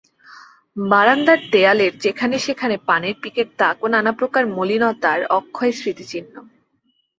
বারান্দার দেয়ালের যেখানে-সেখানে পানের পিকের দাগ ও নানাপ্রকার মলিনতার অক্ষয় স্মৃতিচিহ্ন।